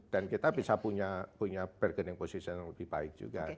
dan kita bisa punya berkening posisi yang lebih baik juga